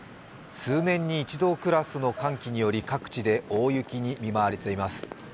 数年に一度クラスの寒気により各地で大雪に見舞われています。